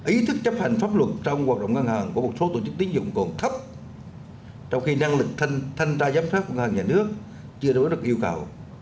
ý thức chấp hành pháp luật trong hoạt động ngân hàng của một số tổ chức tín dụng còn thấp trong khi năng lực thanh tra giám sát của ngân hàng nhà nước chưa đối được yêu cầu